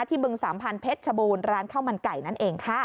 บึงสามพันธ์เพชรชบูรณ์ร้านข้าวมันไก่นั่นเองค่ะ